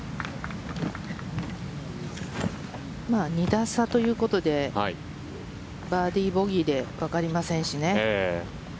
２打差ということでバーディー、ボギーでわかりませんしね。